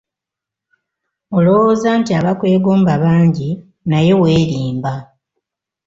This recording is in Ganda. Olowooza nti abakwegomba bangi naye weerimba.